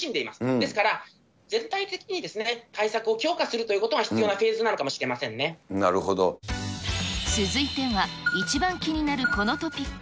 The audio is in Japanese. ですから、全体的に対策を強化するということが必要なフェーズなのかもしれ続いては、一番気になるこのトピック。